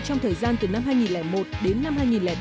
trong thời gian từ năm hai nghìn một đến năm hai nghìn bốn